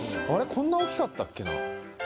こんな大きかったっけな。